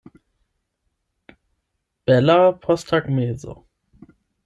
Bela posttagmezo.